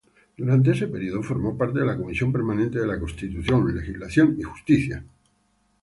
Durante este período formó parte de la comisión permanente de Constitución, Legislación y Justicia.